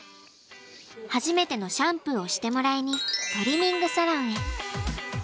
初めてのシャンプーをしてもらいにトリミングサロンへ。